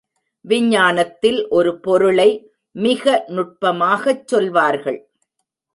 விஞ்ஞானத்தில் ஒரு பொருளை மிக நுட்பமாகச் சொல்வார்கள்.